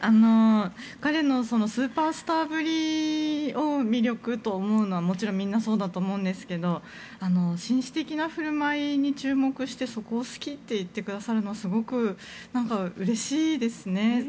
彼のスーパースターぶりを魅力と思うのはもちろんみんなそうだと思うんですが紳士的な振る舞いに注目してそこを好きと言ってくださるのはすごくうれしいですね。